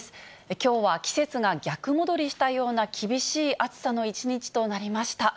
きょうは季節が逆戻りしたかのような厳しい暑さの一日となりました。